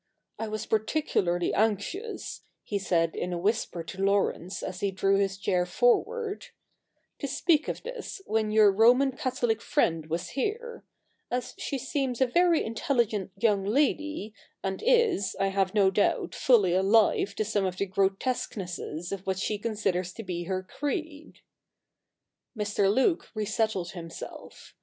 I was particularly anxious,' he said in a whisper to Laurence as he drew his chair forward, ' to speak of this when your Roman Catholic friend was here ; as she seems a very intelligent young lady, and is, I have no doubt, fully alive to some of the grotesque nesses of what she considers to be her creed.' ' Keats, Ode to the Nightingale. CH. ii] THE NEW REPUBLIC 207 Mr. Luke resettled himself.